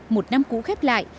một năm cũ khép lại